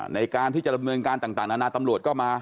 ในการที่จะดำเนินการต่างนานาตำรวจก็มา